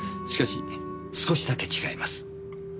しかし少しだけ違います。